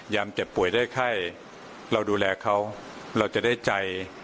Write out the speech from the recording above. เจ็บป่วยได้ไข้เราดูแลเขาเราจะได้ใจ